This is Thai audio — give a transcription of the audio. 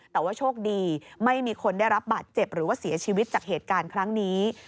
แต่ว่าโชคดีไม่มีคนได้รับบาดเจ็บหรือว่าเสียชีวิตจากเหตุการณ์ครั้งนี้